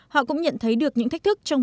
họ cũng nhận thấy được những thách thức trong